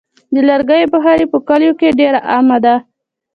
د لرګیو بخاري په کلیو کې ډېره عامه ده.